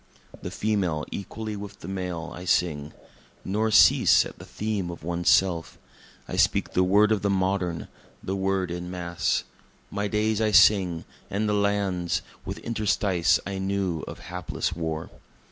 The Female equally with the Male, I sing. Nor cease at the theme of One's Self. I speak the word of the modern, the word En Masse. My Days I sing, and the Lands with interstice I knew of hapless War.